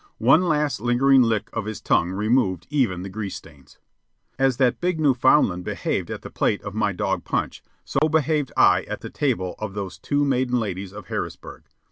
One last lingering lick of his tongue removed even the grease stains. As that big Newfoundland behaved at the plate of my dog Punch, so behaved I at the table of those two maiden ladies of Harrisburg.